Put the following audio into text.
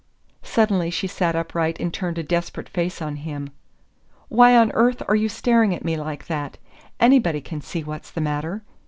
Suddenly she sat upright and turned a desperate face on him. "Why on earth are you staring at me like that? Anybody can see what's the matter!"